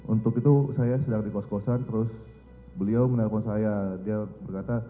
untuk itu saya sedang di kos kosan terus beliau menelpon saya dia berkata